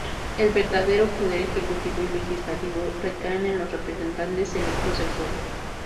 El verdadero poder ejecutivo y el legislativo recaen en los representantes electos del pueblo.